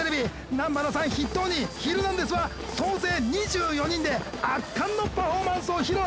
南原さん筆頭に『ヒルナンデス！』は総勢２４人で圧巻のパフォーマンスを披露。